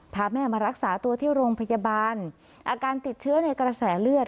พาแม่มารักษาตัวที่โรงพยาบาลอาการติดเชื้อในกระแสเลือด